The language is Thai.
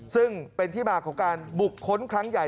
ซึ่งเป็นที่มาของการบุคคลครั้งใหญ่